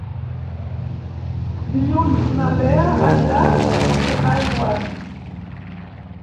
Dilluns na Lea anirà a Setaigües.